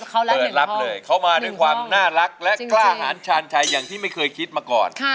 เขาเลยเปิดรับเลยเขามาด้วยความน่ารักและกล้าหารชาญชัยอย่างที่ไม่เคยคิดมาก่อน